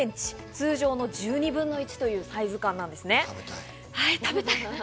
通常の１２分の１というサイズ感食べたい。